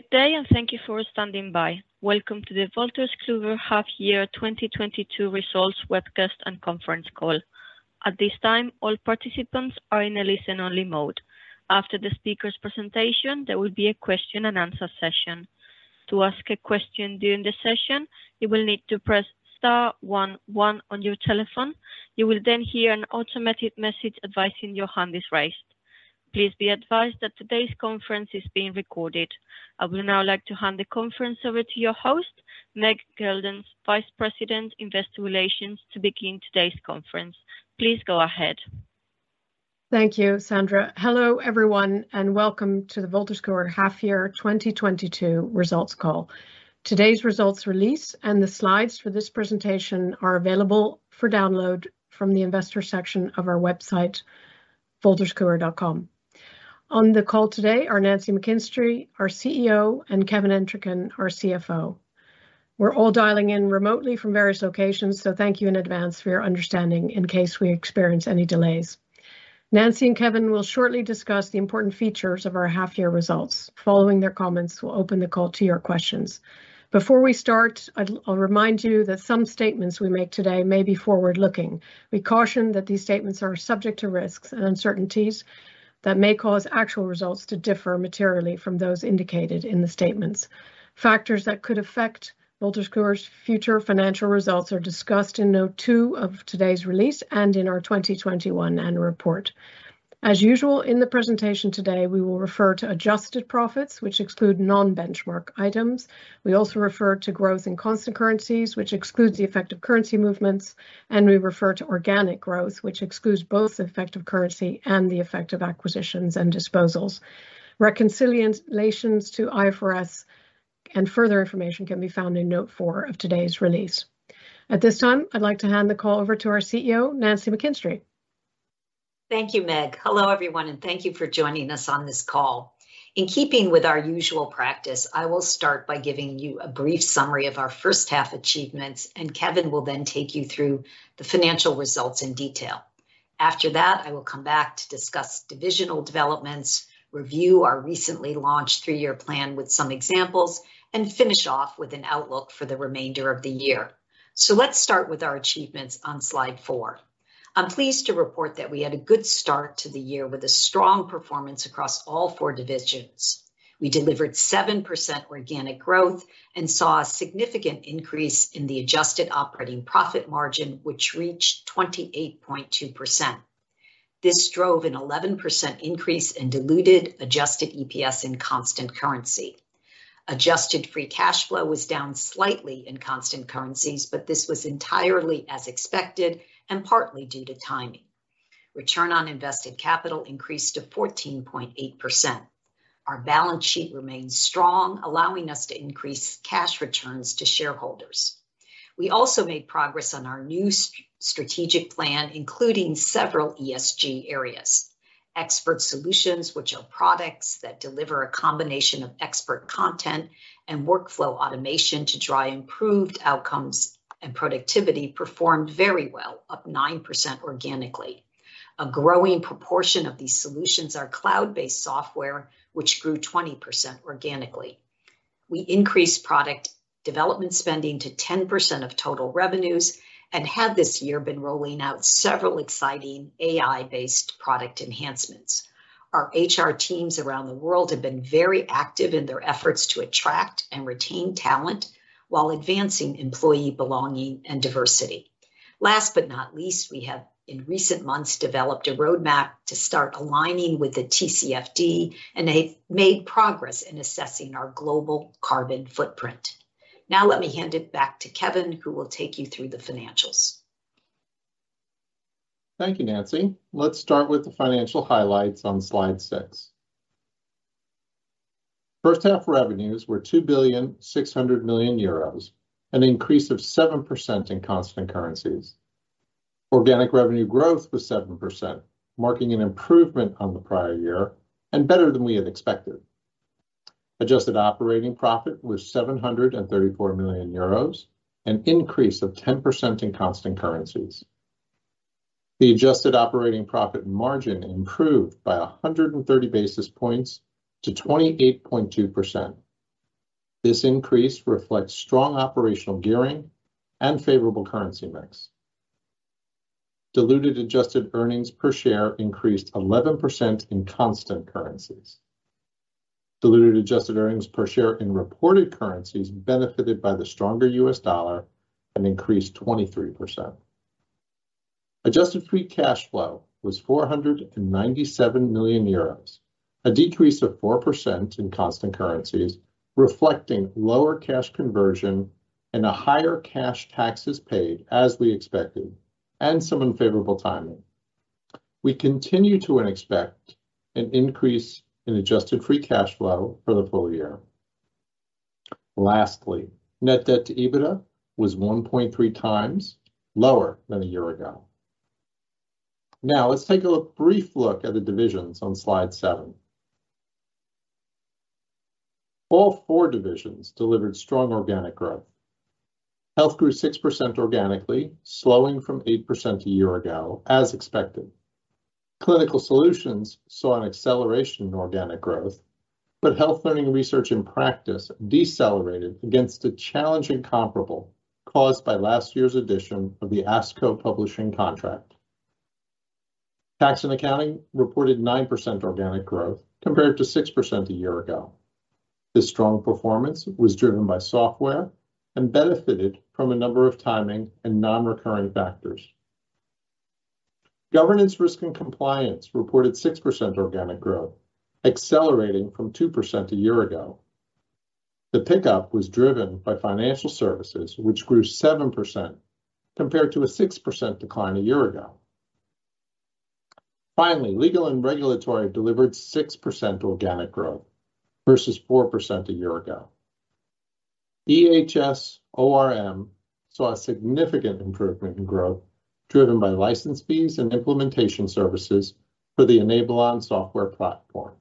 Good day, and thank you for standing by. Welcome to the Wolters Kluwer Half Year 2022 Results webcast and conference call. At this time, all participants are in a listen only mode. After the speaker's presentation, there will be a question and answer session. To ask a question during the session, you will need to press star one one on your telephone. You will then hear an automated message advising your hand is raised. Please be advised that today's conference is being recorded. I would now like to hand the conference over to your host, Meg Geldens, Vice President, Investor Relations, to begin today's conference. Please go ahead. Thank you, Sandra. Hello, everyone, and welcome to the Wolters Kluwer Half Year 2022 Results call. Today's results release and the slides for this presentation are available for download from the investor section of our website, wolterskluwer.com. On the call today are Nancy McKinstry, our CEO, and Kevin Entricken, our CFO. We're all dialing in remotely from various locations, so thank you in advance for your understanding in case we experience any delays. Nancy and Kevin will shortly discuss the important features of our half year results. Following their comments, we'll open the call to your questions. Before we start, I'll remind you that some statements we make today may be forward-looking. We caution that these statements are subject to risks and uncertainties that may cause actual results to differ materially from those indicated in the statements. Factors that could affect Wolters Kluwer's future financial results are discussed in note two of today's release and in our 2021 annual report. As usual, in the presentation today, we will refer to adjusted profits, which exclude non-benchmark items. We also refer to growth in constant currencies, which excludes the effect of currency movements, and we refer to organic growth, which excludes both the effect of currency and the effect of acquisitions and disposals. Reconciliations to IFRS and further information can be found in note four of today's release. At this time, I'd like to hand the call over to our CEO, Nancy McKinstry. Thank you, Meg. Hello, everyone, and thank you for joining us on this call. In keeping with our usual practice, I will start by giving you a brief summary of our first half achievements, and Kevin will then take you through the financial results in detail. After that, I will come back to discuss divisional developments, review our recently launched three-year plan with some examples, and finish off with an outlook for the remainder of the year. Let's start with our achievements on slide four. I'm pleased to report that we had a good start to the year with a strong performance across all four divisions. We delivered 7% organic growth and saw a significant increase in the adjusted operating profit margin, which reached 28.2%. This drove an 11% increase in diluted adjusted EPS in constant currency. Adjusted free cash flow was down slightly in constant currencies, but this was entirely as expected and partly due to timing. Return on invested capital increased to 14.8%. Our balance sheet remains strong, allowing us to increase cash returns to shareholders. We also made progress on our new strategic plan, including several ESG areas. Expert solutions, which are products that deliver a combination of expert content and workflow automation to drive improved outcomes and productivity, performed very well, up 9% organically. A growing proportion of these solutions are cloud-based software, which grew 20% organically. We increased product development spending to 10% of total revenues and have this year been rolling out several exciting AI-based product enhancements. Our HR teams around the world have been very active in their efforts to attract and retain talent while advancing employee belonging and diversity. Last but not least, we have in recent months developed a roadmap to start aligning with the TCFD and have made progress in assessing our global carbon footprint. Now let me hand it back to Kevin, who will take you through the financials. Thank you, Nancy. Let's start with the financial highlights on slide six. First half revenues were 2.6 billion euros, an increase of 7% in constant currencies. Organic revenue growth was 7%, marking an improvement on the prior year and better than we had expected. Adjusted operating profit was 734 million euros, an increase of 10% in constant currencies. The adjusted operating profit margin improved by 130 basis points to 28.2%. This increase reflects strong operational gearing and favorable currency mix. Diluted adjusted earnings per share increased 11% in constant currencies. Diluted adjusted earnings per share in reported currencies benefited by the stronger U.S. dollar and increased 23%. Adjusted free cash flow was 497 million euros, a decrease of 4% in constant currencies, reflecting lower cash conversion and a higher cash taxes paid as we expected, and some unfavorable timing. We continue to expect an increase in adjusted free cash flow for the full year. Net debt to EBITDA was 1.3x lower than a year ago. Now let's take a brief look at the divisions on slide seven. All four divisions delivered strong organic growth. Health grew 6% organically, slowing from 8% a year ago as expected. Clinical Solutions saw an acceleration in organic growth, but Health Learning, Research and Practice decelerated against a challenging comparable caused by last year's edition of the ASCO publishing contract. Tax & Accounting reported 9% organic growth compared to 6% a year ago. This strong performance was driven by software and benefited from a number of timing and non-recurring factors. Governance, Risk and Compliance reported 6% organic growth, accelerating from 2% a year ago. The pickup was driven by financial services, which grew 7% compared to a 6% decline a year ago. Finally, Legal and Regulatory delivered 6% organic growth versus 4% a year ago. EHS & ORM saw a significant improvement in growth driven by license fees and implementation services for the Enablon software platform.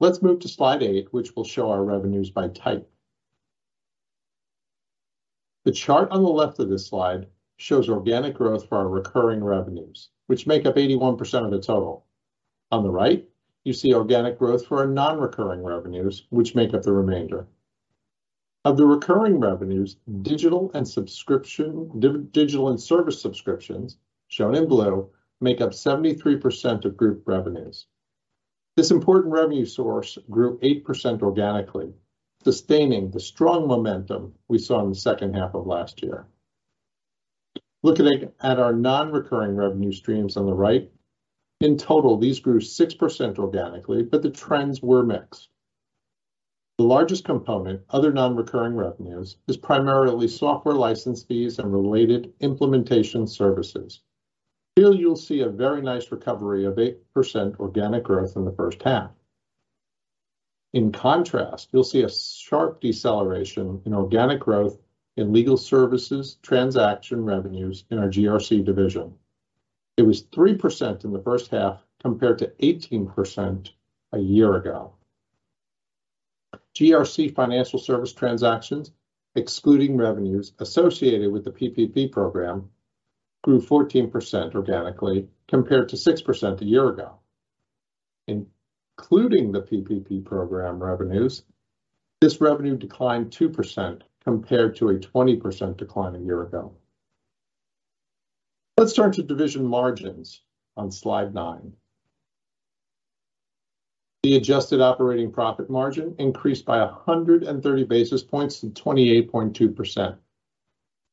Let's move to slide eight, which will show our revenues by type. The chart on the left of this slide shows organic growth for our recurring revenues, which make up 81% of the total. On the right, you see organic growth for our non-recurring revenues, which make up the remainder. Of the recurring revenues, digital and service subscriptions, shown in blue, make up 73% of group revenues. This important revenue source grew 8% organically, sustaining the strong momentum we saw in the second half of last year. Looking at our non-recurring revenue streams on the right, in total, these grew 6% organically, but the trends were mixed. The largest component, other non-recurring revenues, is primarily software license fees and related implementation services. Here you'll see a very nice recovery of 8% organic growth in the first half. In contrast, you'll see a sharp deceleration in organic growth in legal services, transaction revenues in our GRC division. It was 3% in the first half compared to 18% a year ago. GRC financial service transactions, excluding revenues associated with the PPP program, grew 14% organically compared to 6% a year ago. Including the PPP program revenues, this revenue declined 2% compared to a 20% decline a year ago. Let's turn to division margins on slide nine. The adjusted operating profit margin increased by 130 basis points to 28.2%.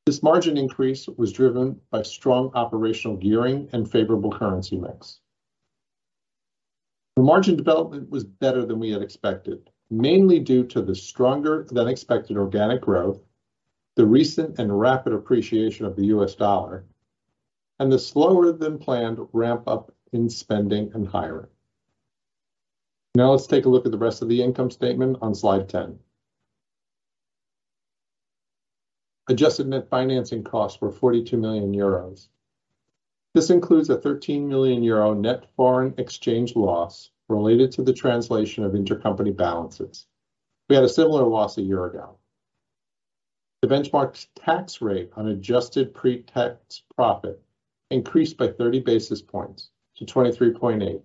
This margin increase was driven by strong operational gearing and favorable currency mix. The margin development was better than we had expected, mainly due to the stronger than expected organic growth, the recent and rapid appreciation of the U.S. dollar, and the slower than planned ramp up in spending and hiring. Now let's take a look at the rest of the income statement on slide 10. Adjusted net financing costs were 42 million euros. This includes a 13 million euro net foreign exchange loss related to the translation of intercompany balances. We had a similar loss a year ago. The benchmark tax rate on adjusted pre-tax profit increased by 30 basis points to 23.8%.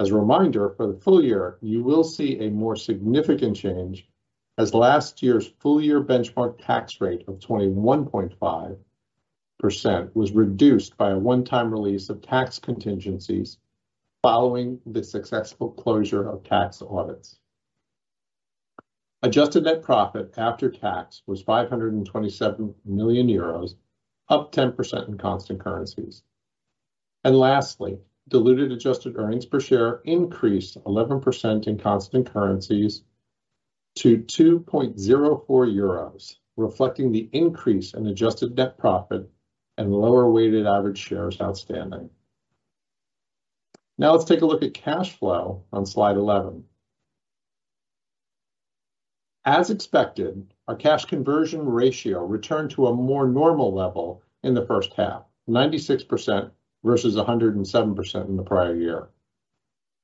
As a reminder, for the full year, you will see a more significant change, as last year's full year benchmark tax rate of 21.5% was reduced by a one-time release of tax contingencies following the successful closure of tax audits. Adjusted net profit after tax was 527 million euros, up 10% in constant currencies. Lastly, diluted adjusted earnings per share increased 11% in constant currencies to 2.04 euros, reflecting the increase in adjusted net profit and lower weighted average shares outstanding. Now let's take a look at cash flow on slide 11. As expected, our cash conversion ratio returned to a more normal level in the first half, 96% versus 107% in the prior year.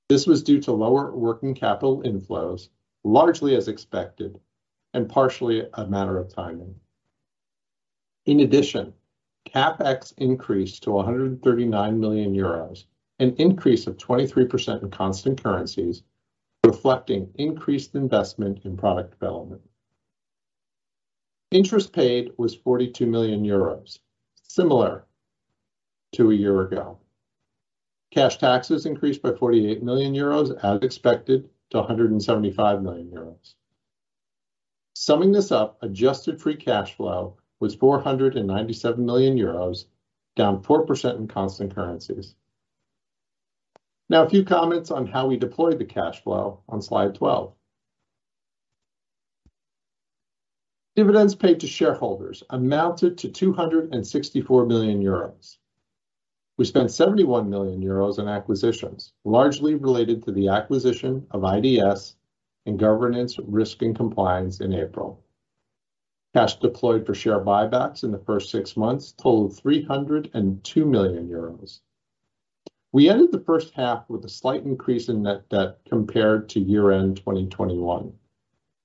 This was due to lower working capital inflows, largely as expected and partially a matter of timing. In addition, CapEx increased to 139 million euros, an increase of 23% in constant currencies, reflecting increased investment in product development. Interest paid was 42 million euros, similar to a year ago. Cash taxes increased by 48 million euros as expected to 175 million euros. Summing this up, adjusted free cash flow was 497 million euros, down 4% in constant currencies. Now a few comments on how we deployed the cash flow on slide 12. Dividends paid to shareholders amounted to 264 million euros. We spent 71 million euros in acquisitions, largely related to the acquisition of IDS in governance, risk, and compliance in April. Cash deployed for share buybacks in the first six months totaled 302 million euros. We ended the first half with a slight increase in net debt compared to year-end 2021.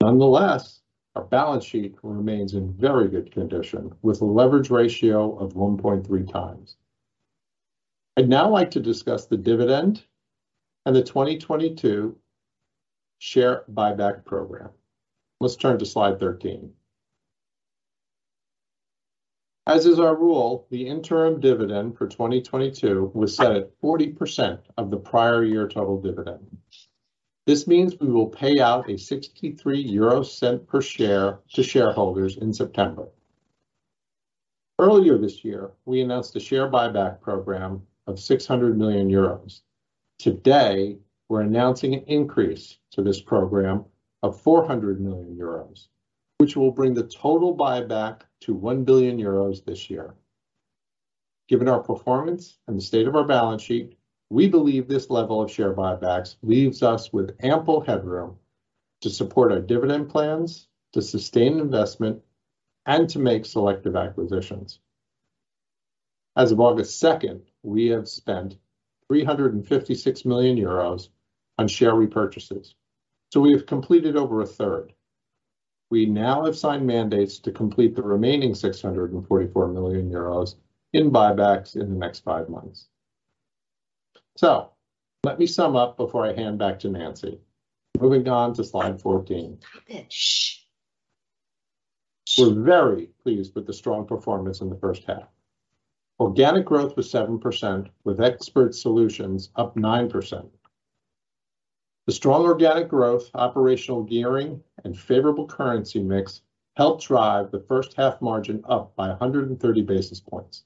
Nonetheless, our balance sheet remains in very good condition, with a leverage ratio of 1.3x. I'd now like to discuss the dividend and the 2022 share buyback program. Let's turn to slide 13. As is our rule, the interim dividend for 2022 was set at 40% of the prior year total dividend. This means we will pay out 0.63 per share to shareholders in September. Earlier this year, we announced a share buyback program of 600 million euros. Today, we're announcing an increase to this program of 400 million euros, which will bring the total buyback to 1 billion euros this year. Given our performance and the state of our balance sheet, we believe this level of share buybacks leaves us with ample headroom to support our dividend plans, to sustain investment, and to make selective acquisitions. As of August second, we have spent 356 million euros on share repurchases, so we have completed over a third. We now have signed mandates to complete the remaining 644 million euros in buybacks in the next five months. Let me sum up before I hand back to Nancy. Moving on to slide 14. Stop it. Shh. We're very pleased with the strong performance in the first half. Organic growth was 7% with Expert Solutions up 9%. The strong organic growth, operational gearing, and favorable currency mix helped drive the first half margin up by 130 basis points.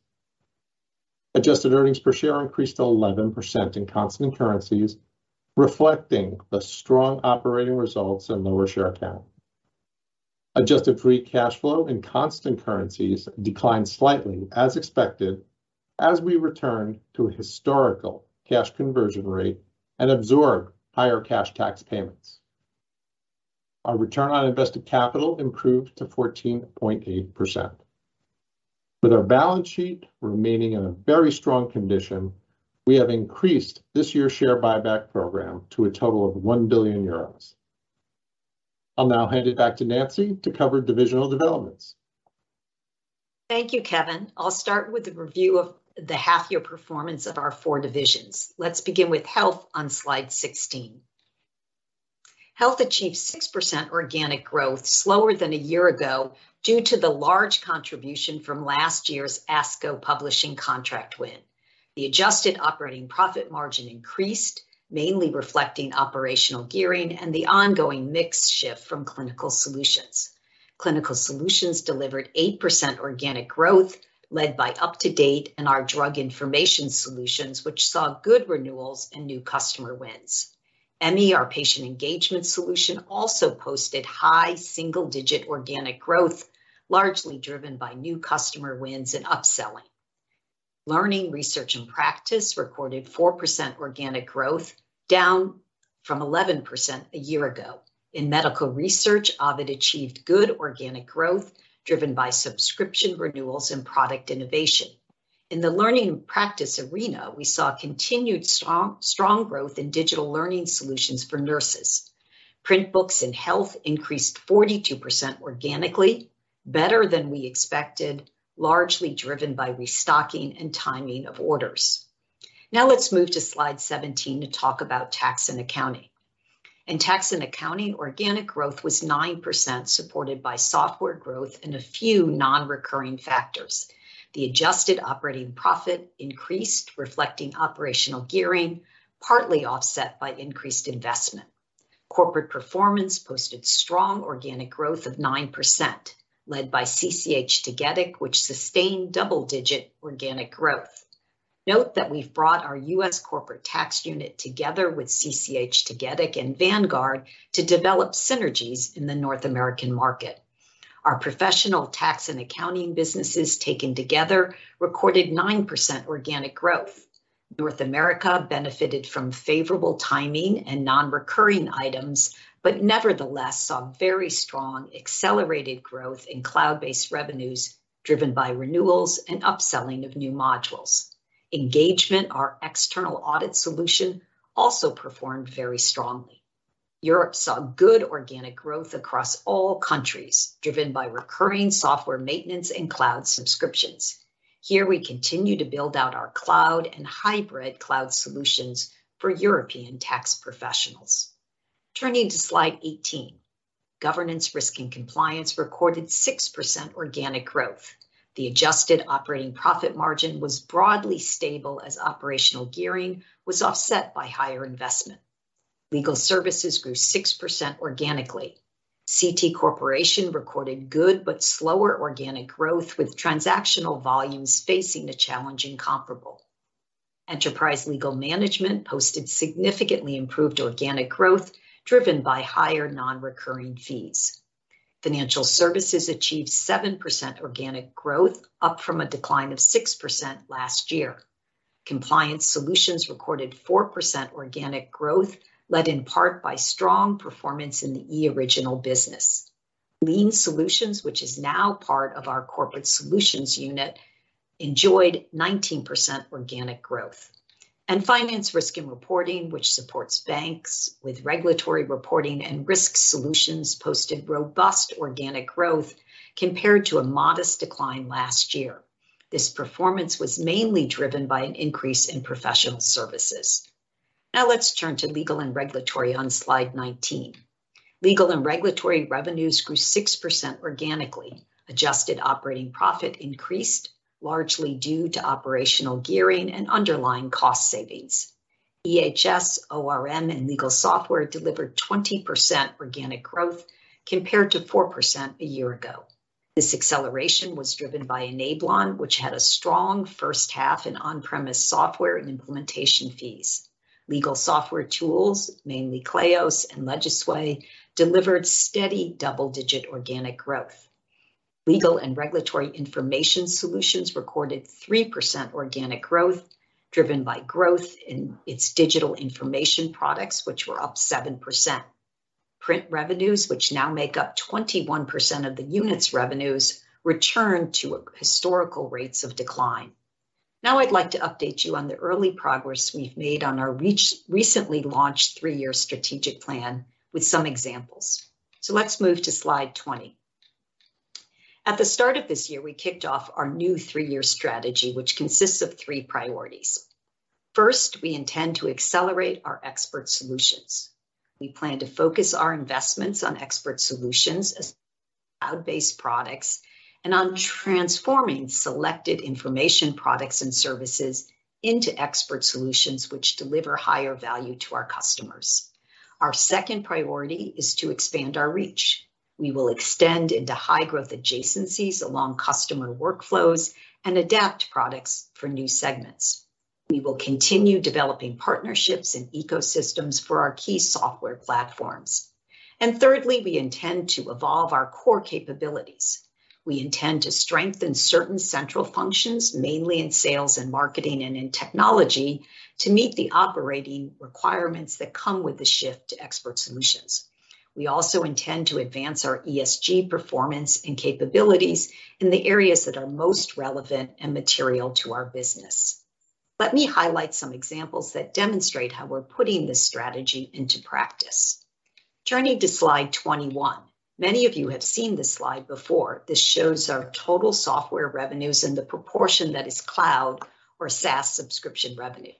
Adjusted earnings per share increased to 11% in constant currencies, reflecting the strong operating results and lower share count. Adjusted free cash flow in constant currencies declined slightly, as expected, as we return to a historical cash conversion rate and absorb higher cash tax payments. Our return on invested capital improved to 14.8%. With our balance sheet remaining in a very strong condition, we have increased this year's share buyback program to a total of 1 billion euros. I'll now hand it back to Nancy to cover divisional developments. Thank you, Kevin. I'll start with a review of the half-year performance of our four divisions. Let's begin with Health on slide 16. Health achieved 6% organic growth, slower than a year ago due to the large contribution from last year's ASCO publishing contract win. The adjusted operating profit margin increased, mainly reflecting operational gearing and the ongoing mix shift from Clinical Solutions. Clinical Solutions delivered 8% organic growth led by UpToDate and our drug information solutions, which saw good renewals and new customer wins. Emmi, our patient engagement solution, also posted high single-digit organic growth, largely driven by new customer wins and upselling. Learning, research, and practice recorded 4% organic growth, down from 11% a year ago. In medical research, Ovid achieved good organic growth, driven by subscription renewals and product innovation. In the learning and practice arena, we saw continued strong growth in digital learning solutions for nurses. Print books and Health increased 42% organically, better than we expected, largely driven by restocking and timing of orders. Now let's move to slide 17 to talk about Tax & Accounting. In Tax & Accounting, organic growth was 9%, supported by software growth and a few non-recurring factors. The adjusted operating profit increased, reflecting operational gearing, partly offset by increased investment. Corporate Performance posted strong organic growth of 9%, led by CCH Tagetik, which sustained double-digit organic growth. Note that we've brought our U.S. corporate tax unit together with CCH Tagetik and Vanguard to develop synergies in the North American market. Our professional Tax & Accounting businesses taken together recorded 9% organic growth. North America benefited from favorable timing and non-recurring items, but nevertheless saw very strong accelerated growth in cloud-based revenues driven by renewals and upselling of new modules. Engagement, our external audit solution, also performed very strongly. Europe saw good organic growth across all countries, driven by recurring software maintenance and cloud subscriptions. Here we continue to build out our cloud and hybrid cloud solutions for European tax professionals. Turning to slide 18, governance, risk, and compliance recorded 6% organic growth. The adjusted operating profit margin was broadly stable as operational gearing was offset by higher investment. Legal services grew 6% organically. CT Corporation recorded good but slower organic growth with transactional volumes facing a challenging comparable. Enterprise legal management posted significantly improved organic growth driven by higher non-recurring fees. Financial services achieved 7% organic growth, up from a decline of 6% last year. Compliance solutions recorded 4% organic growth, led in part by strong performance in the eOriginal business. Lien Solutions, which is now part of our corporate solutions unit, enjoyed 19% organic growth. Financial & Risk, which supports banks with regulatory reporting and risk solutions, posted robust organic growth compared to a modest decline last year. This performance was mainly driven by an increase in professional services. Now let's turn to Legal & Regulatory on slide 19. Legal & Regulatory revenues grew 6% organically. Adjusted operating profit increased largely due to operational gearing and underlying cost savings. EHS & ORM, and legal software delivered 20% organic growth compared to 4% a year ago. This acceleration was driven by Enablon, which had a strong first half in on-premise software and implementation fees. Legal software tools, mainly Kleos and Legisway, delivered steady double-digit organic growth. Legal & Regulatory information solutions recorded 3% organic growth, driven by growth in its digital information products, which were up 7%. Print revenues, which now make up 21% of the unit's revenues, returned to historical rates of decline. Now I'd like to update you on the early progress we've made on our reach, recently launched three-year strategic plan with some examples. Let's move to slide 20. At the start of this year, we kicked off our new three-year strategy, which consists of three priorities. First, we intend to accelerate our expert solutions. We plan to focus our investments on expert solutions as cloud-based products and on transforming selected information products and services into expert solutions which deliver higher value to our customers. Our second priority is to expand our reach. We will extend into high-growth adjacencies along customer workflows and adapt products for new segments. We will continue developing partnerships and ecosystems for our key software platforms. Thirdly, we intend to evolve our core capabilities. We intend to strengthen certain central functions, mainly in sales and marketing and in technology, to meet the operating requirements that come with the shift to expert solutions. We also intend to advance our ESG performance and capabilities in the areas that are most relevant and material to our business. Let me highlight some examples that demonstrate how we're putting this strategy into practice. Turning to slide 21. Many of you have seen this slide before. This shows our total software revenues and the proportion that is cloud or SaaS subscription revenue.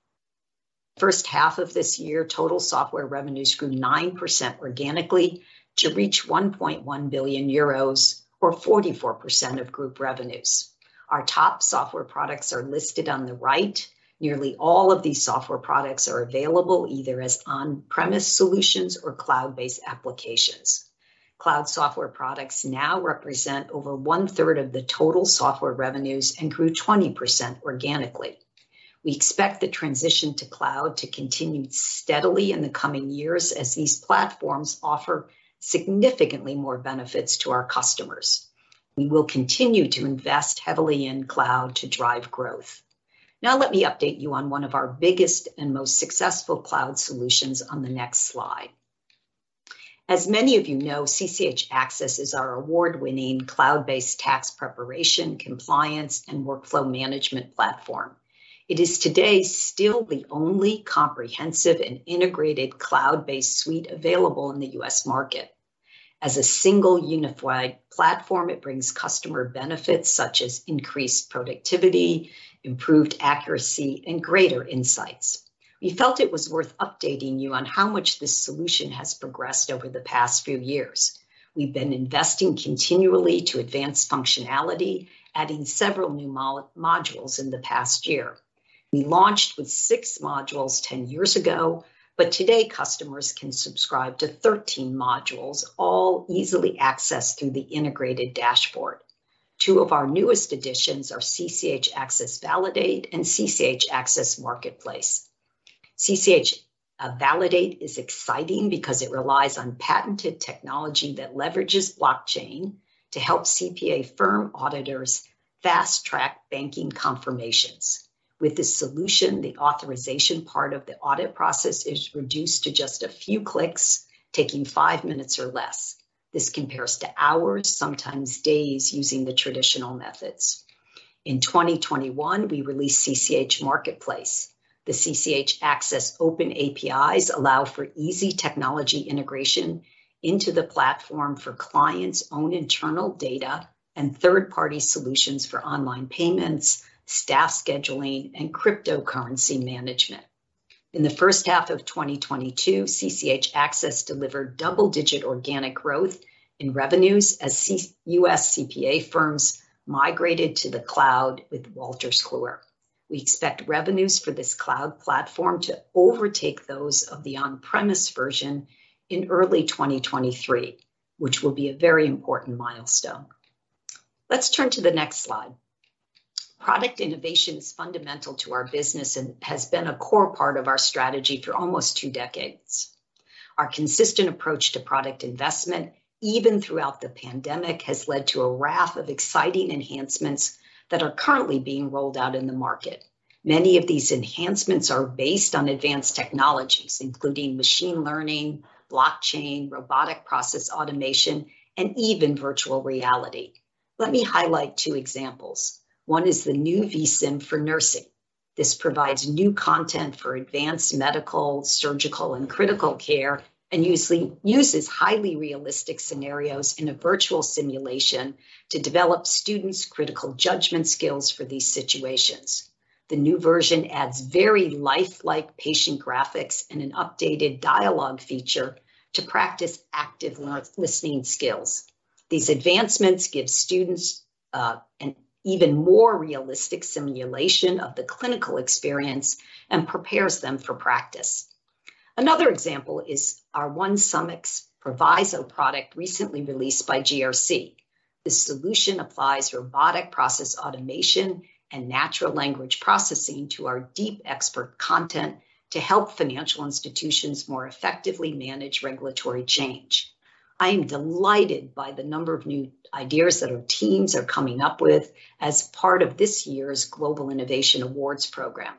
First half of this year, total software revenues grew 9% organically to reach 1.1 billion euros or 44% of group revenues. Our top software products are listed on the right. Nearly all of these software products are available either as on-premise solutions or cloud-based applications. Cloud software products now represent over 1/3 of the total software revenues and grew 20% organically. We expect the transition to cloud to continue steadily in the coming years as these platforms offer significantly more benefits to our customers. We will continue to invest heavily in cloud to drive growth. Now let me update you on one of our biggest and most successful cloud solutions on the next slide. As many of you know, CCH Axcess is our award-winning cloud-based tax preparation, compliance, and workflow management platform. It is today still the only comprehensive and integrated cloud-based suite available in the U.S. market. As a single unified platform, it brings customer benefits such as increased productivity, improved accuracy, and greater insights. We felt it was worth updating you on how much this solution has progressed over the past few years. We've been investing continually to advance functionality, adding several new modules in the past year. We launched with six modules 10 years ago, but today customers can subscribe to 13 modules, all easily accessed through the integrated dashboard. Two of our newest additions are CCH Axcess Validate and CCH Axcess Marketplace. CCH Validate is exciting because it relies on patented technology that leverages blockchain to help CPA firm auditors fast-track banking confirmations. With this solution, the authorization part of the audit process is reduced to just a few clicks, taking five minutes or less. This compares to hours, sometimes days, using the traditional methods. In 2021, we released CCH Marketplace. The CCH Axcess open APIs allow for easy technology integration into the platform for clients' own internal data and third-party solutions for online payments, staff scheduling, and cryptocurrency management. In the first half of 2022, CCH Axcess delivered double-digit organic growth in revenues as U..S CPA firms migrated to the cloud with Wolters Kluwer. We expect revenues for this cloud platform to overtake those of the on-premise version in early 2023, which will be a very important milestone. Let's turn to the next slide. Product innovation is fundamental to our business and has been a core part of our strategy for almost two decades. Our consistent approach to product investment, even throughout the pandemic, has led to a raft of exciting enhancements that are currently being rolled out in the market. Many of these enhancements are based on advanced technologies, including machine learning, blockchain, robotic process automation, and even virtual reality. Let me highlight two examples. One is the new vSim for Nursing. This provides new content for advanced medical, surgical, and critical care, and uses highly realistic scenarios in a virtual simulation to develop students' critical judgment skills for these situations. The new version adds very lifelike patient graphics and an updated dialogue feature to practice active listening skills. These advancements give students an even more realistic simulation of the clinical experience and prepares them for practice. Another example is our OneSumX ProViso product recently released by GRC. This solution applies robotic process automation and natural language processing to our deep expert content to help financial institutions more effectively manage regulatory change. I am delighted by the number of new ideas that our teams are coming up with as part of this year's Global Innovation Awards program.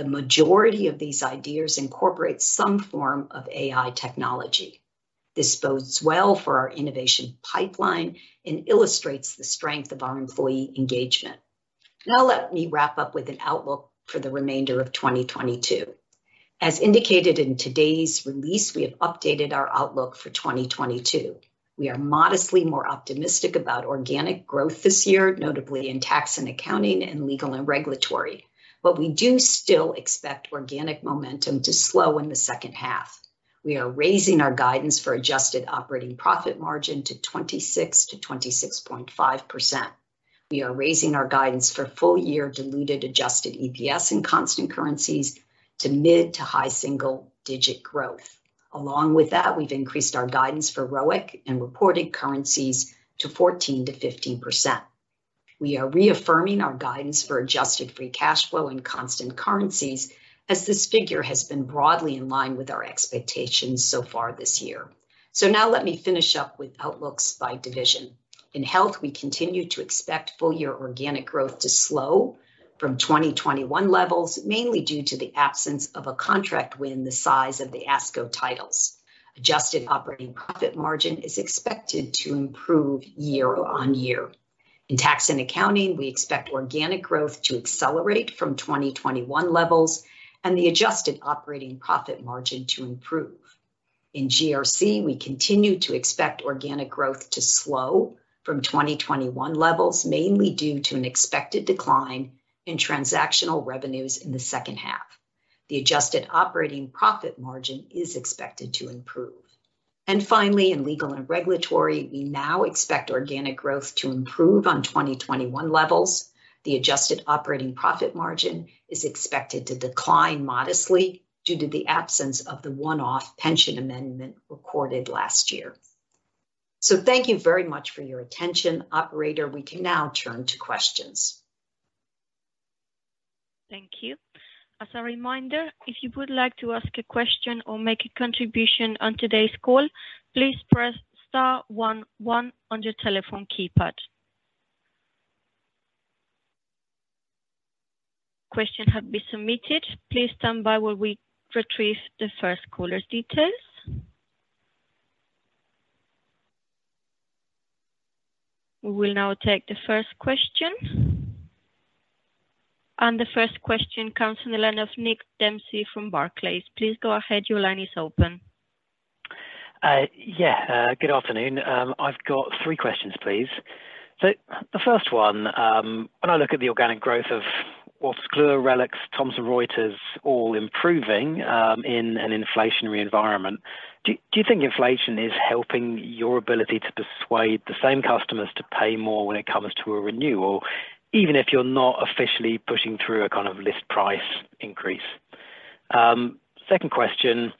The majority of these ideas incorporate some form of AI technology. This bodes well for our innovation pipeline and illustrates the strength of our employee engagement. Now let me wrap up with an outlook for the remainder of 2022. As indicated in today's release, we have updated our outlook for 2022. We are modestly more optimistic about organic growth this year, notably in Tax & Accounting and Legal & Regulatory. We do still expect organic momentum to slow in the second half. We are raising our guidance for adjusted operating profit margin to 26%-26.5%. We are raising our guidance for full-year diluted adjusted EPS in constant currencies to mid- to high-single-digit growth. Along with that, we've increased our guidance for ROIC in reported currencies to 14%-15%. We are reaffirming our guidance for adjusted free cash flow in constant currencies as this figure has been broadly in line with our expectations so far this year. Now let me finish up with outlooks by division. In Health, we continue to expect full-year organic growth to slow from 2021 levels, mainly due to the absence of a contract win the size of the ASCO titles. Adjusted operating profit margin is expected to improve year-over-year. In Tax & Accounting, we expect organic growth to accelerate from 2021 levels and the adjusted operating profit margin to improve. In GRC, we continue to expect organic growth to slow from 2021 levels, mainly due to an expected decline in transactional revenues in the second half. The adjusted operating profit margin is expected to improve. Finally, in Legal & Regulatory, we now expect organic growth to improve on 2021 levels. The adjusted operating profit margin is expected to decline modestly due to the absence of the one-off pension amendment recorded last year. Thank you very much for your attention. Operator, we can now turn to questions. Thank you. As a reminder, if you would like to ask a question or make a contribution on today's call, please press star one one on your telephone keypad. Questions have been submitted. Please stand by while we retrieve the first caller's details. We will now take the first question. The first question comes on the line of Nick Dempsey from Barclays. Please go ahead. Your line is open. Good afternoon. I've got three questions, please. The first one, when I look at the organic growth of Wolters Kluwer, RELX, Thomson Reuters all improving, in an inflationary environment, do you think inflation is helping your ability to persuade the same customers to pay more when it comes to a renewal, even if you're not officially pushing through a kind of list price increase? Second question,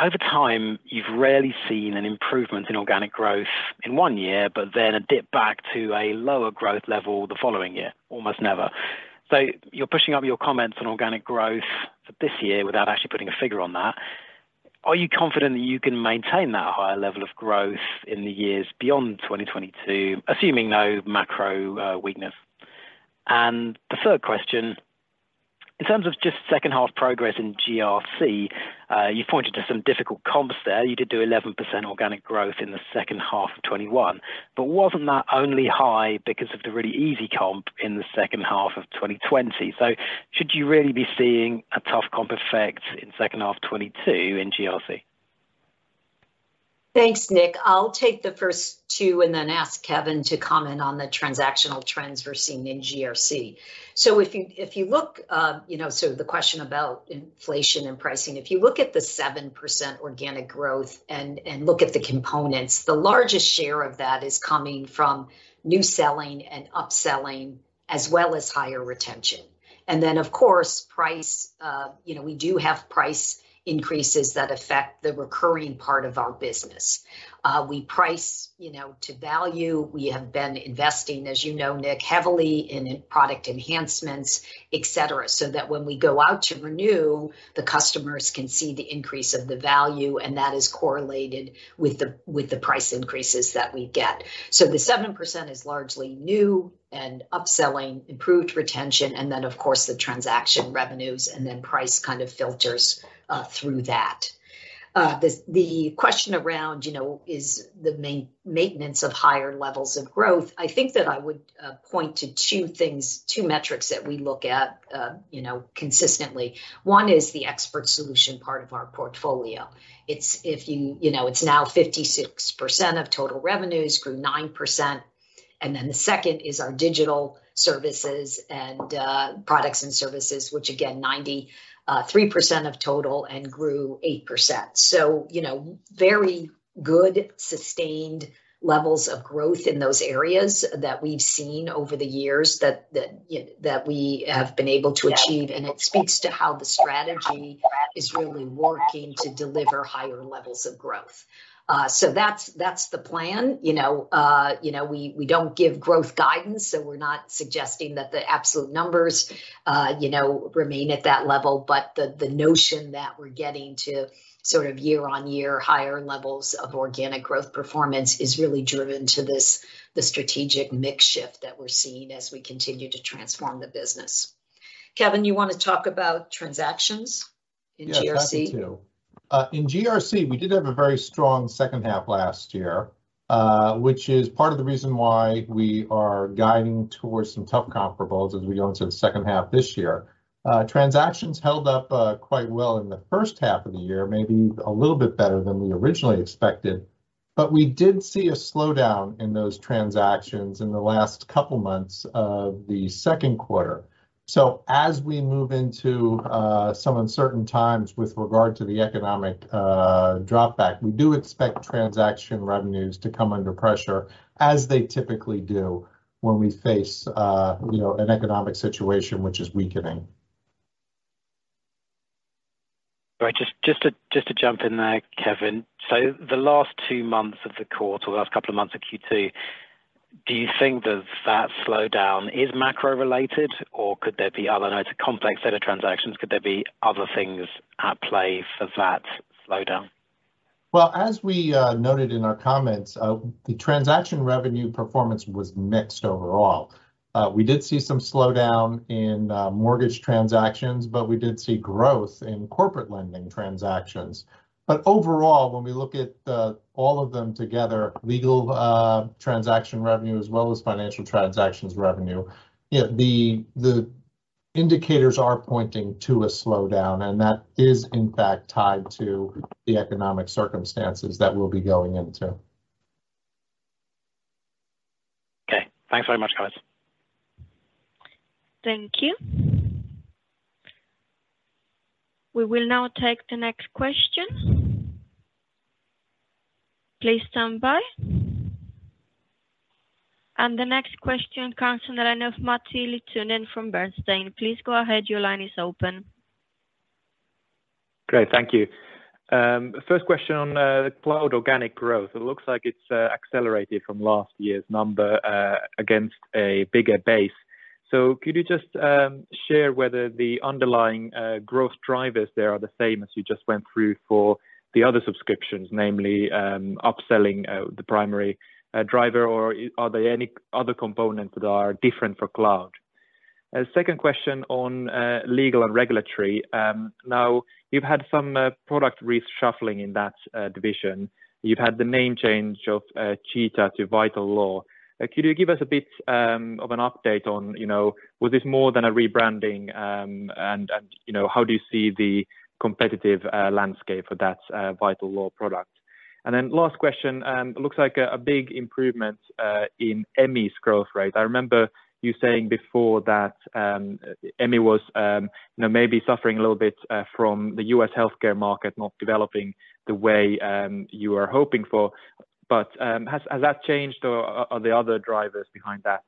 over time, you've rarely seen an improvement in organic growth in one year but then a dip back to a lower growth level the following year. Almost never. You're pushing up your comments on organic growth for this year without actually putting a figure on that. Are you confident that you can maintain that higher level of growth in the years beyond 2022, assuming no macro weakness? The third question, in terms of just second half progress in GRC, you pointed to some difficult comps there. You did do 11% organic growth in the second half of 2021. Wasn't that only high because of the really easy comp in the second half of 2020? Should you really be seeing a tough comp effect in second half 2022 in GRC? Thanks, Nick. I'll take the first two and then ask Kevin to comment on the transactional trends we're seeing in GRC. If you look at the question about inflation and pricing, if you look at the 7% organic growth and look at the components, the largest share of that is coming from new selling and upselling, as well as higher retention. Of course, price, we do have price increases that affect the recurring part of our business. We price to value. We have been investing, as you know Nick, heavily in product enhancements, et cetera, so that when we go out to renew, the customers can see the increase of the value, and that is correlated with the price increases that we get. The 7% is largely new and upselling, improved retention, and then of course the transaction revenues, and then price kind of filters through that. The question around, you know, is the maintenance of higher levels of growth. I think that I would point to two things, two metrics that we look at, you know, consistently. One is the expert solution part of our portfolio. You know, it's now 56% of total revenues, grew 9%. The second is our digital services and products and services, which again, 93% of total and grew 8%. You know, very good sustained levels of growth in those areas that we've seen over the years that we have been able to achieve, and it speaks to how the strategy is really working to deliver higher levels of growth. That's the plan. You know, you know, we don't give growth guidance, so we're not suggesting that the absolute numbers, you know, remain at that level. The notion that we're getting to sort of year-on-year higher levels of organic growth performance is really driven to this, the strategic mix shift that we're seeing as we continue to transform the business. Kevin, you wanna talk about transactions in GRC? Yes, happy to. In GRC, we did have a very strong second half last year, which is part of the reason why we are guiding towards some tough comparables as we go into the second half this year. Transactions held up quite well in the first half of the year, maybe a little bit better than we originally expected. We did see a slowdown in those transactions in the last couple months of the second quarter. As we move into some uncertain times with regard to the economic dropback, we do expect transaction revenues to come under pressure, as they typically do when we face you know an economic situation which is weakening. Right. Just to jump in there, Kevin. The last two months of the quarter, the last couple of months of Q2, do you think that slowdown is macro-related? I know it's a complex set of transactions. Could there be other things at play for that slowdown? Well, as we noted in our comments, the transaction revenue performance was mixed overall. We did see some slowdown in mortgage transactions, but we did see growth in corporate lending transactions. Overall, when we look at all of them together, legal transaction revenue as well as financial transactions revenue, you know, the indicators are pointing to a slowdown, and that is in fact tied to the economic circumstances that we'll be going into. Okay. Thanks very much, guys. Thank you. We will now take the next question. Please stand by. The next question comes on the line of Matti Littunen from Bernstein. Please go ahead, your line is open. Great. Thank you. First question on cloud organic growth. It looks like it's accelerated from last year's number against a bigger base. Could you just share whether the underlying growth drivers there are the same as you just went through for the other subscriptions, namely upselling the primary driver, or are there any other components that are different for cloud? Second question on Legal & Regulatory. Now you've had some product reshuffling in that division. You've had the name change of Cheetah to VitalLaw. Could you give us a bit of an update on, you know, was this more than a rebranding? And you know, how do you see the competitive landscape for that VitalLaw product? Then last question, it looks like a big improvement in Emmi's growth rate. I remember you saying before that Emmi was, you know, maybe suffering a little bit from the US healthcare market not developing the way you were hoping for. But has that changed or are there other drivers behind that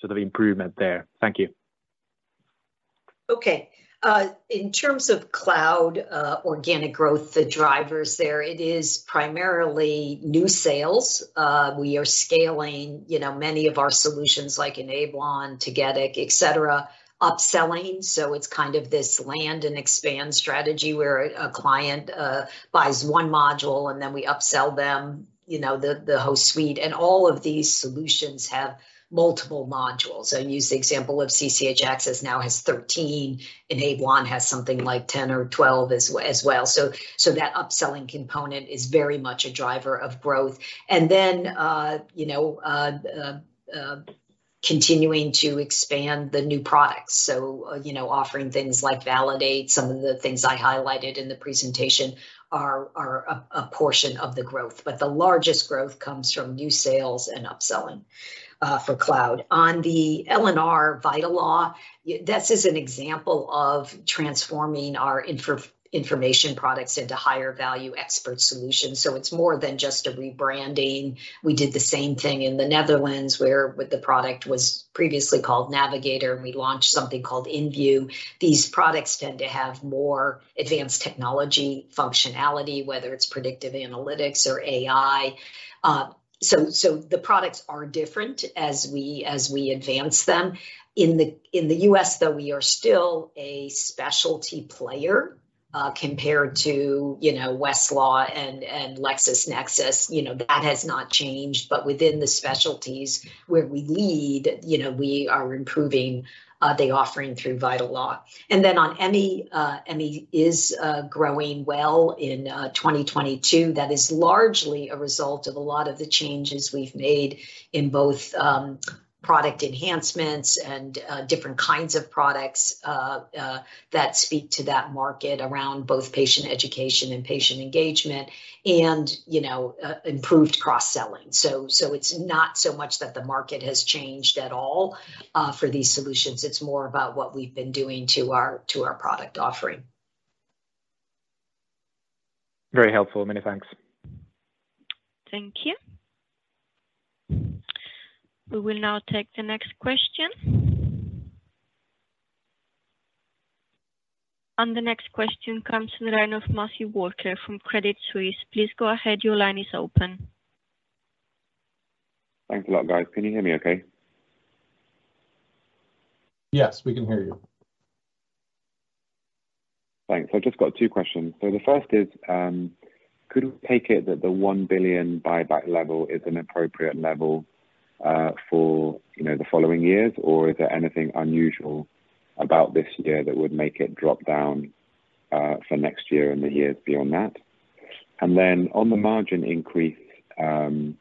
sort of improvement there? Thank you. Okay. In terms of cloud, organic growth, the drivers there, it is primarily new sales. We are scaling, you know, many of our solutions like Enablon, Tagetik, et cetera. Upselling, so it's kind of this land and expand strategy where a client buys one module and then we upsell them, you know, the whole suite. All of these solutions have multiple modules. I use the example of CCH Axcess now has 13. Enablon has something like 10 or 12 as well. So that upselling component is very much a driver of growth. Then, you know, continuing to expand the new products. So, you know, offering things like Validate. Some of the things I highlighted in the presentation are a portion of the growth. The largest growth comes from new sales and upselling for cloud. On the L&R VitalLaw, this is an example of transforming our information products into higher value expert solutions. It's more than just a rebranding. We did the same thing in the Netherlands where the product was previously called Navigator, and we launched something called InView. These products tend to have more advanced technology functionality, whether it's predictive analytics or AI. So the products are different as we advance them. In the US though, we are still a specialty player compared to, you know, Westlaw and LexisNexis. You know, that has not changed. Within the specialties where we lead, you know, we are improving the offering through VitalLaw. Then on Emmi is growing well in 2022. That is largely a result of a lot of the changes we've made in both product enhancements and different kinds of products that speak to that market around both patient education and patient engagement and, you know, improved cross-selling. It's not so much that the market has changed at all for these solutions, it's more about what we've been doing to our product offering. Very helpful. Many thanks. Thank you. We will now take the next question. The next question comes from the line of Matthew Walker from Credit Suisse. Please go ahead. Your line is open. Thanks a lot, guys. Can you hear me okay? Yes, we can hear you. Thanks. I've just got two questions. The first is, could we take it that the 1 billion buyback level is an appropriate level, for, you know, the following years, or is there anything unusual about this year that would make it drop down, for next year and the years beyond that? On the margin increase, in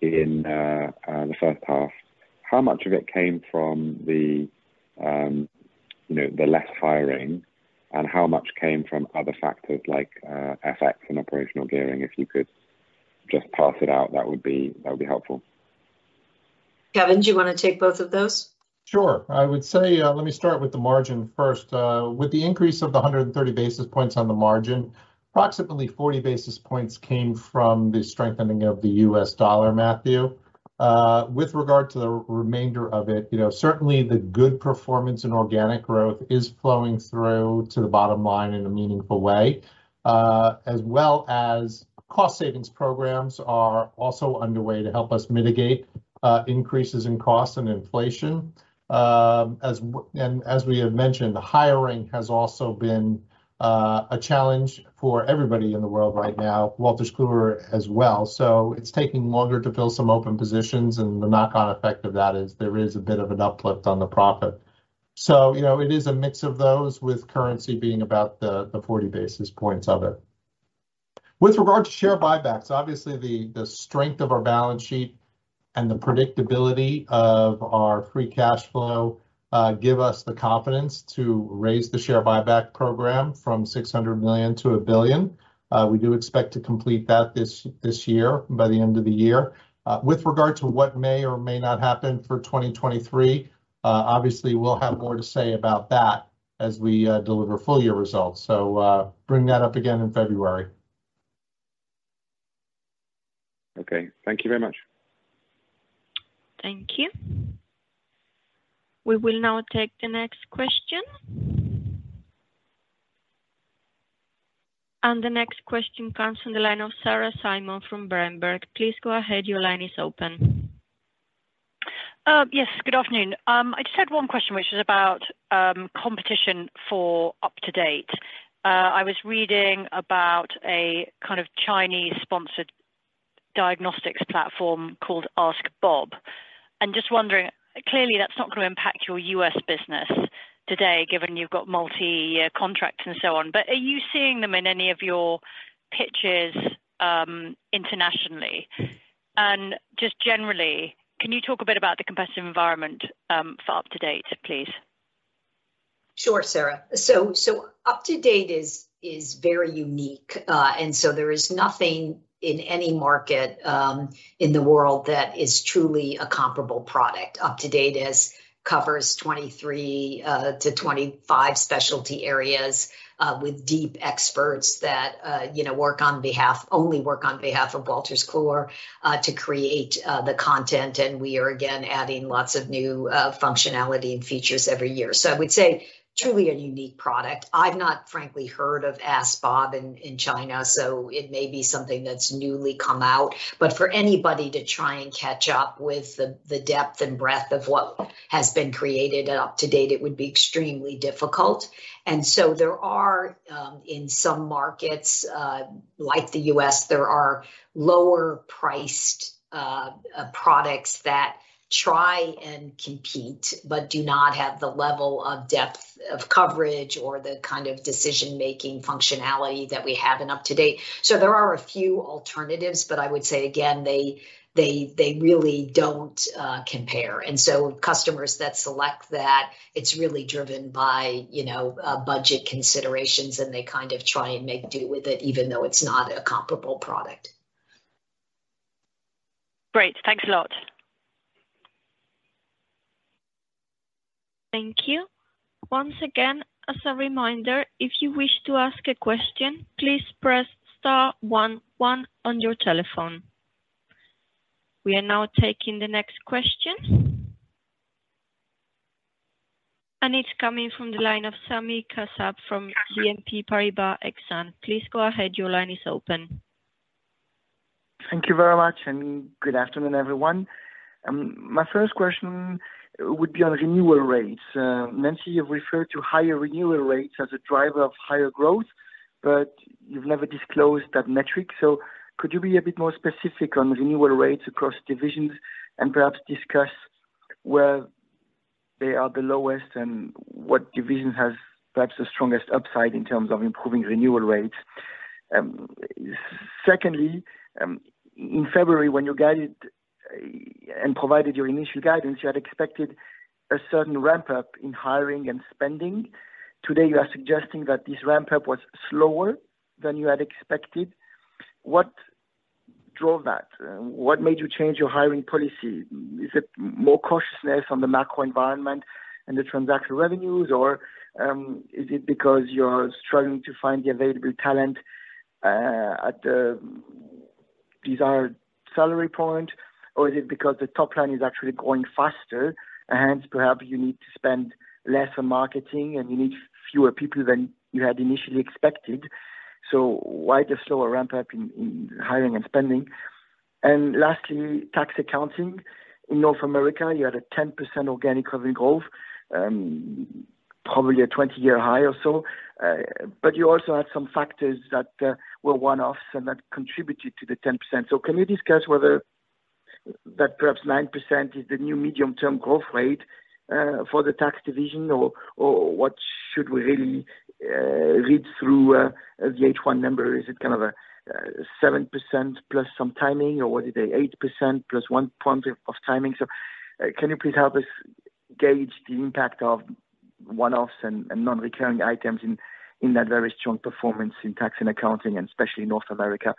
the first half, how much of it came from the, you know, the less hiring and how much came from other factors like, FX and operational gearing? If you could just parse it out, that would be helpful. Kevin, do you wanna take both of those? Sure. I would say, let me start with the margin first. With the increase of 130 basis points on the margin, approximately 40 basis points came from the strengthening of the U.S. dollar, Matthew. With regard to the remainder of it, you know, certainly the good performance in organic growth is flowing through to the bottom line in a meaningful way. As well as cost savings programs are also underway to help us mitigate increases in cost and inflation. And as we have mentioned, hiring has also been a challenge for everybody in the world right now, Wolters Kluwer as well. It's taking longer to fill some open positions, and the knock-on effect of that is there is a bit of an uplift on the profit. You know, it is a mix of those with currency being about the 40 basis points of it. With regard to share buybacks, obviously the strength of our balance sheet and the predictability of our free cash flow give us the confidence to raise the share buyback program from 600 million to 1 billion. We do expect to complete that this year, by the end of the year. With regard to what may or may not happen for 2023, obviously we'll have more to say about that as we deliver full year results. Bring that up again in February. Okay. Thank you very much. Thank you. We will now take the next question. The next question comes from the line of Sarah Simon from Berenberg. Please go ahead. Your line is open. Yes. Good afternoon. I just had one question, which is about competition for UpToDate. I was reading about a kind of Chinese-sponsored diagnostics platform called AskBob, and just wondering, clearly that's not gonna impact your U.S. business today, given you've got multi-year contracts and so on. But are you seeing them in any of your pitches internationally? Just generally, can you talk a bit about the competitive environment for UpToDate, please? Sure, Sarah. UpToDate is very unique. There is nothing in any market in the world that is truly a comparable product. UpToDate covers 23-25 specialty areas with deep experts that you know work only on behalf of Wolters Kluwer to create the content, and we are again adding lots of new functionality and features every year. I would say truly a unique product. I've not frankly heard of AskBob in China, so it may be something that's newly come out. For anybody to try and catch up with the depth and breadth of what has been created at UpToDate, it would be extremely difficult. There are, in some markets like the U.S., there are lower priced. Products that try and compete but do not have the level of depth of coverage or the kind of decision-making functionality that we have in UpToDate. So there are a few alternatives, but I would say again, they really don't compare. Customers that select that, it's really driven by, you know, budget considerations, and they kind of try and make do with it even though it's not a comparable product. Great. Thanks a lot. Thank you. Once again, as a reminder, if you wish to ask a question, please press star one one on your telephone. We are now taking the next question. It's coming from the line of Sami Kassab from BNP Paribas Exane. Please go ahead. Your line is open. Thank you very much, and good afternoon, everyone. My first question would be on renewal rates. Nancy, you referred to higher renewal rates as a driver of higher growth, but you've never disclosed that metric. Could you be a bit more specific on renewal rates across divisions and perhaps discuss where they are the lowest and what division has perhaps the strongest upside in terms of improving renewal rates? Secondly, in February when you guided and provided your initial guidance, you had expected a certain ramp up in hiring and spending. Today you are suggesting that this ramp up was slower than you had expected. What drove that? What made you change your hiring policy? Is it more cautiousness on the macro environment and the transaction revenues, or is it because you're struggling to find the available talent at the desired salary point, or is it because the top line is actually growing faster, and hence perhaps you need to spend less on marketing and you need fewer people than you had initially expected? Why the slower ramp up in hiring and spending? Lastly, tax accounting. In North America you had a 10% organic revenue growth, probably a 20-year high or so, but you also had some factors that were one-offs and that contributed to the 10%. Can you discuss whether that perhaps 9% is the new medium-term growth rate for the tax division or what should we really read through the H1 number? Is it kind of a 7%+ some timing, or was it a 8% plus 1 point of timing? Can you please help us gauge the impact of one-offs and non-recurring items in that very strong performance in Tax & Accounting, and especially in North America?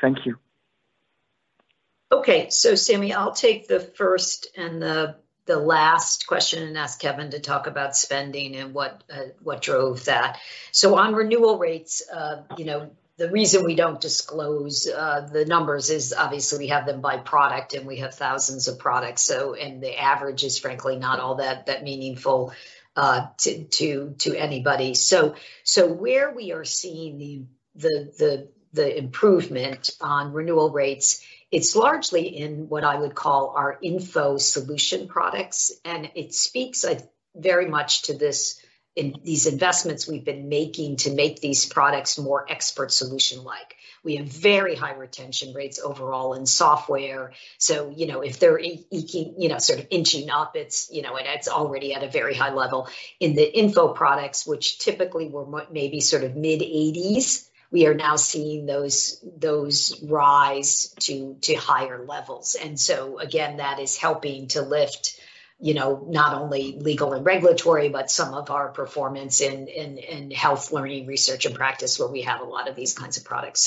Thank you. Okay. Sami Kassab, I'll take the first and the last question and ask Kevin Entricken to talk about spending and what drove that. On renewal rates, you know, the reason we don't disclose the numbers is obviously we have them by product, and we have thousands of products, and the average is frankly not all that meaningful to anybody. Where we are seeing the improvement on renewal rates, it's largely in what I would call our info solution products, and it speaks very much to these investments we've been making to make these products more expert solution-like. We have very high retention rates overall in software. You know, if they're eking, you know, sort of inching up, it's, you know, and it's already at a very high level. In the info products, which typically were maybe sort of mid-80s, we are now seeing those rise to higher levels. Again, that is helping to lift, you know, not only Legal & Regulatory, but some of our performance in health learning research and practice where we have a lot of these kinds of products.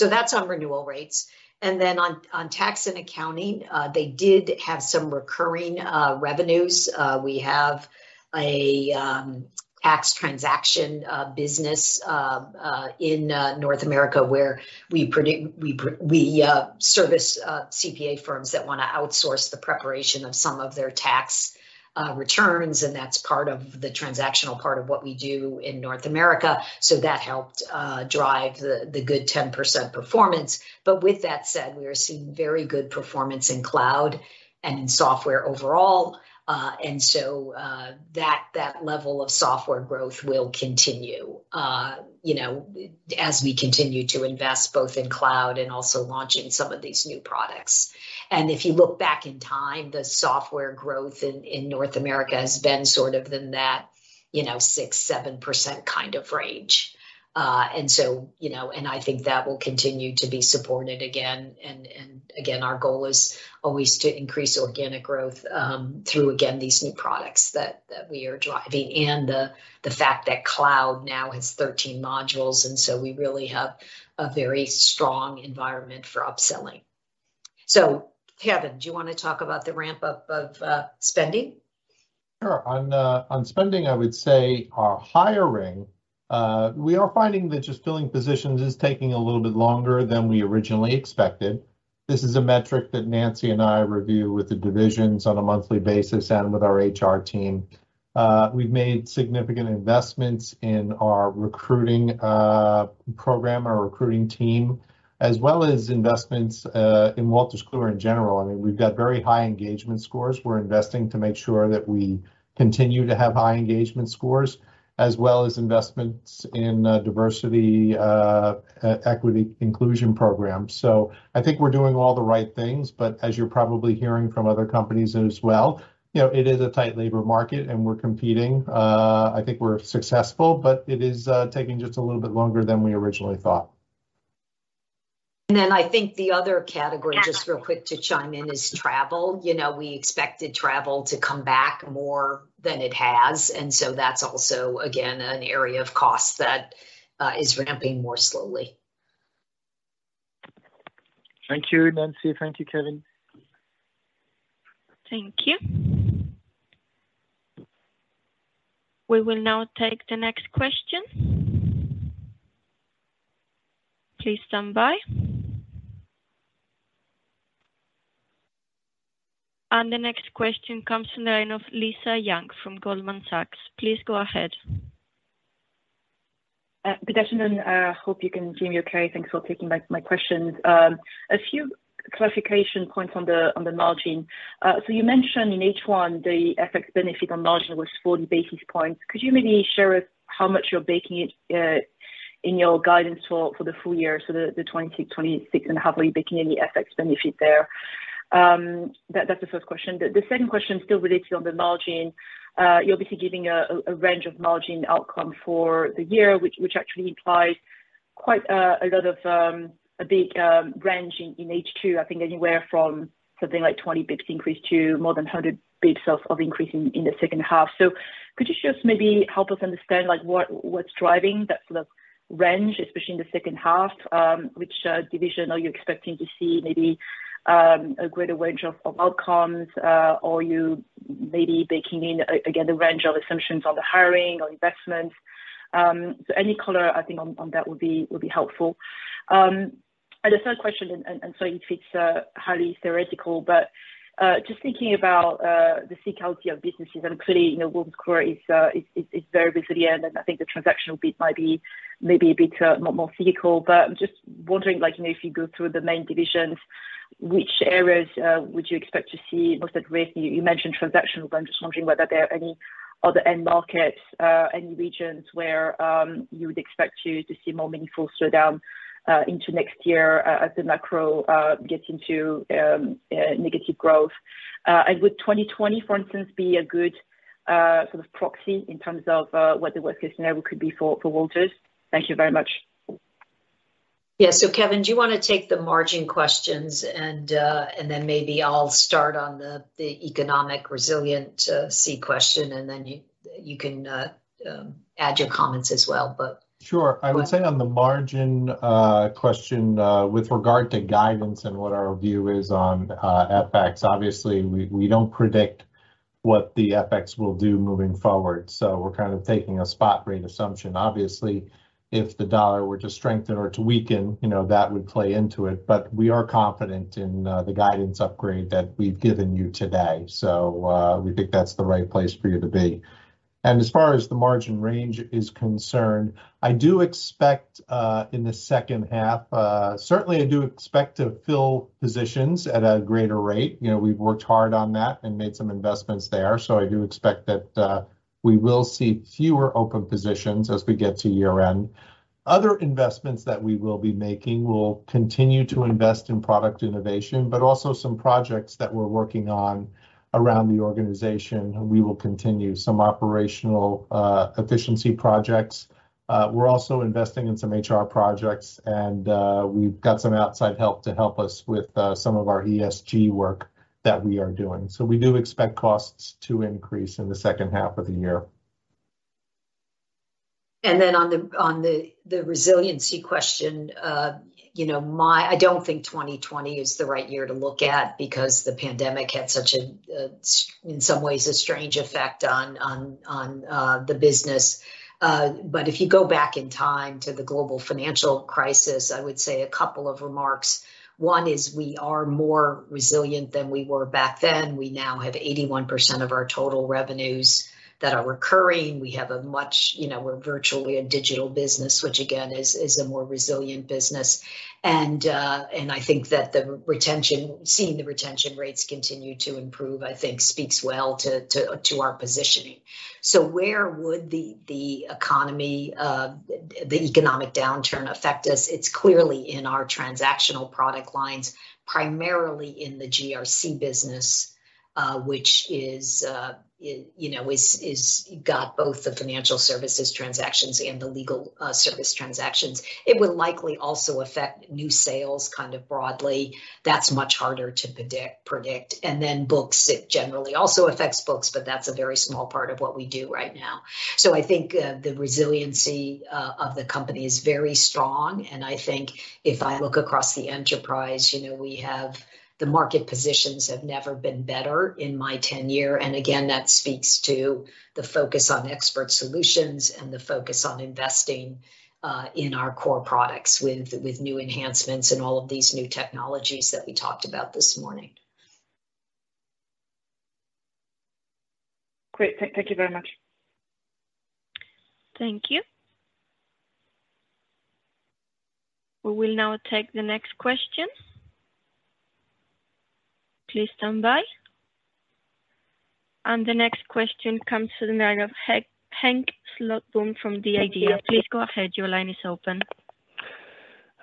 That's on renewal rates. Then on Tax & Accounting, they did have some recurring revenues. We have a tax transaction business in North America where we service CPA firms that wanna outsource the preparation of some of their tax returns, and that's part of the transactional part of what we do in North America. That helped drive the good 10% performance. With that said, we are seeing very good performance in cloud and in software overall. That level of software growth will continue, you know, as we continue to invest both in cloud and also launching some of these new products. If you look back in time, the software growth in North America has been sort of in that 6%-7% kind of range. I think that will continue to be supported again, and again, our goal is always to increase organic growth through again these new products that we are driving and the fact that cloud now has 13 modules, and so we really have a very strong environment for upselling. Kevin, do you wanna talk about the ramp up of spending? Sure. On spending, I would say our hiring, we are finding that just filling positions is taking a little bit longer than we originally expected. This is a metric that Nancy and I review with the divisions on a monthly basis and with our HR team. We've made significant investments in our recruiting program, our recruiting team, as well as investments in Wolters Kluwer in general. I mean, we've got very high engagement scores. We're investing to make sure that we continue to have high engagement scores, as well as investments in diversity, equity inclusion programs. I think we're doing all the right things, but as you're probably hearing from other companies as well, you know, it is a tight labor market and we're competing. I think we're successful, but it is taking just a little bit longer than we originally thought. I think the other category, just real quick to chime in, is travel. You know, we expected travel to come back more than it has, and so that's also again, an area of cost that is ramping more slowly. Thank you, Nancy. Thank you, Kevin. Thank you. We will now take the next question. Please stand by. The next question comes from the line of Lisa Yang from Goldman Sachs. Please go ahead. Good afternoon. Hope you can hear me okay. Thanks for taking my questions. A few clarification points on the margin. So you mentioned in H1 the FX benefit on margin was 40 basis points. Could you maybe share with how much you're baking it in your guidance for the full year, so the 20%-26.5%, are you baking any FX benefit there? That's the first question. The second question still relates to the margin. You're obviously giving a range of margin outcome for the year, which actually implies quite a big range in H2. I think anywhere from something like 20 basis points increase to more than 100 basis points of increase in the second half. Could you just maybe help us understand, like, what's driving that sort of range, especially in the second half? Which division are you expecting to see maybe a greater range of outcomes, or you maybe baking in the range of assumptions on the hiring or investments. Any color I think on that would be helpful. The third question and sorry if it's highly theoretical, but just thinking about the cyclicality of businesses, and clearly, you know, Wolters Kluwer is very resilient, and I think the transactional bit might be maybe a bit more cyclical. I'm just wondering, like, you know, if you go through the main divisions, which areas would you expect to see most at risk? You mentioned transactional, but I'm just wondering whether there are any other end markets, any regions where you would expect to see more meaningful slowdown into next year as the macro gets into negative growth. Would 2020, for instance, be a good sort of proxy in terms of what the worst-case scenario could be for Wolters Kluwer? Thank you very much. Yeah. Kevin, do you wanna take the margin questions and then maybe I'll start on the economic resilience question, and then you can add your comments as well, but. Sure. I would say on the margin question with regard to guidance and what our view is on FX, obviously we don't predict what the FX will do moving forward, so we're kind of taking a spot rate assumption. Obviously, if the U.S. dollar were to strengthen or to weaken, you know, that would play into it. We are confident in the guidance upgrade that we've given you today. We think that's the right place for you to be. As far as the margin range is concerned, I do expect in the second half, certainly I do expect to fill positions at a greater rate. You know, we've worked hard on that and made some investments there. I do expect that we will see fewer open positions as we get to year-end. Other investments that we will be making, we'll continue to invest in product innovation, but also some projects that we're working on around the organization. We will continue some operational efficiency projects. We're also investing in some HR projects, and we've got some outside help to help us with some of our ESG work that we are doing. We do expect costs to increase in the second half of the year. Then on the resiliency question, you know, I don't think 2020 is the right year to look at because the pandemic had such a strange effect on the business. If you go back in time to the global financial crisis, I would say a couple of remarks. One is we are more resilient than we were back then. We now have 81% of our total revenues that are recurring. We have a much you know, we're virtually a digital business, which again, is a more resilient business. I think that the retention, seeing the retention rates continue to improve, I think speaks well to our positioning. Where would the economy, the economic downturn affect us? It's clearly in our transactional product lines, primarily in the GRC business, which is, you know, got both the financial services transactions and the legal service transactions. It will likely also affect new sales kind of broadly. That's much harder to predict. Books, it generally also affects books, but that's a very small part of what we do right now. I think the resiliency of the company is very strong, and I think if I look across the enterprise, you know, we have the market positions have never been better in my tenure. That speaks to the focus on expert solutions and the focus on investing in our core products with new enhancements and all of these new technologies that we talked about this morning. Great. Thank you very much. Thank you. We will now take the next question. Please stand by. The next question comes to the line of Henk Slotboom from The IDEA!. Please go ahead. Your line is open.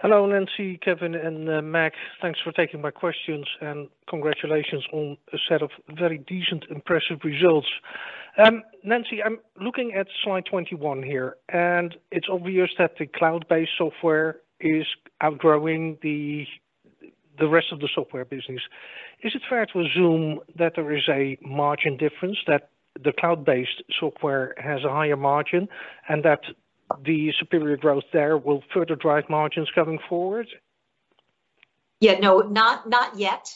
Hello, Nancy, Kevin, and Meg. Thanks for taking my questions, and congratulations on a set of very decent, impressive results. Nancy, I'm looking at slide 21 here, and it's obvious that the cloud-based software is outgrowing the rest of the software business. Is it fair to assume that there is a margin difference, that the cloud-based software has a higher margin and that the superior growth there will further drive margins going forward? No, not yet.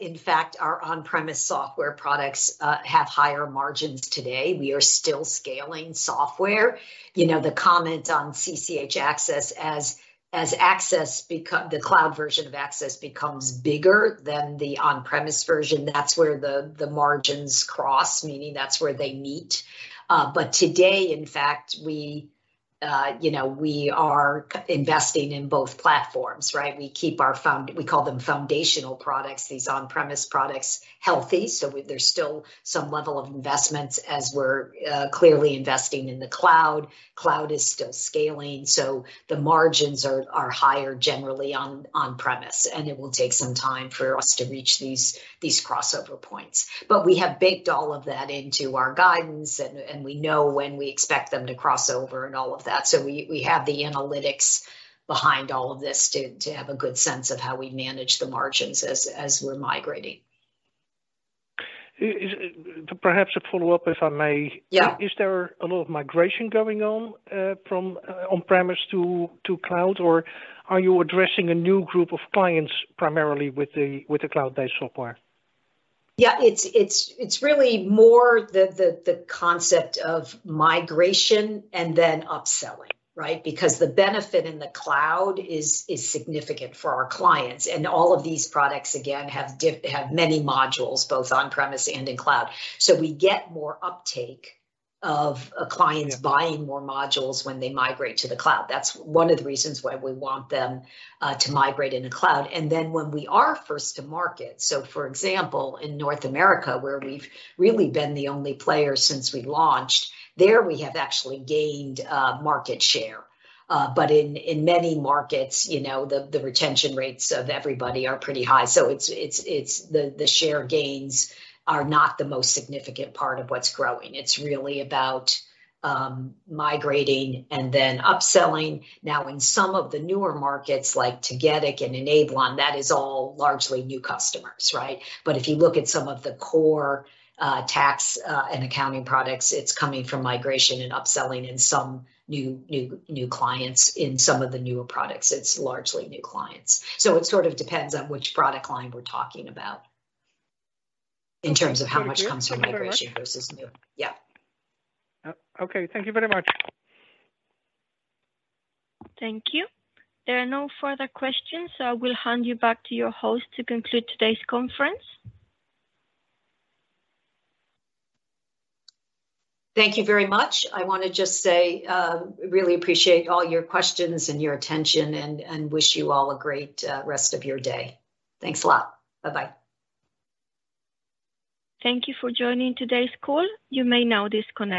In fact, our on-premise software products have higher margins today. We are still scaling software. You know, the comment on CCH Axcess as the cloud version of Axcess becomes bigger than the on-premise version, that's where the margins cross, meaning that's where they meet. Today, in fact, you know, we are investing in both platforms, right? We keep our foundational products, these on-premise products healthy, so there's still some level of investments as we're clearly investing in the cloud. Cloud is still scaling, so the margins are higher generally on premise, and it will take some time for us to reach these crossover points. We have baked all of that into our guidance and we know when we expect them to cross over and all of that, so we have the analytics behind all of this to have a good sense of how we manage the margins as we're migrating. Perhaps a follow-up, if I may. Yeah. Is there a lot of migration going on from on-premises to cloud, or are you addressing a new group of clients primarily with the cloud-based software? Yeah. It's really more the concept of migration and then upselling, right? Because the benefit in the cloud is significant for our clients. All of these products, again, have many modules, both on premise and in cloud. We get more uptake of a client- Yeah Buying more modules when they migrate to the cloud. That's one of the reasons why we want them to migrate in the cloud. When we are first to market, so for example, in North America where we've really been the only player since we launched, there we have actually gained market share. In many markets, you know, the retention rates of everybody are pretty high, so it's the share gains are not the most significant part of what's growing. It's really about migrating and then upselling. Now, in some of the newer markets like Tagetik and Enablon, that is all largely new customers, right? If you look at some of the core Tax & Accounting products, it's coming from migration and upselling and some new clients. In some of the newer products, it's largely new clients. It sort of depends on which product line we're talking about in terms of how much comes from migration versus new. Thank you. Thank you very much. Yeah. Okay. Thank you very much. Thank you. There are no further questions, so I will hand you back to your host to conclude today's conference. Thank you very much. I wanna just say, really appreciate all your questions and your attention and wish you all a great rest of your day. Thanks a lot. Bye bye. Thank you for joining today's call. You may now disconnect.